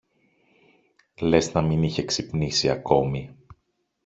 Λες να μην είχε ξυπνήσει ακόμη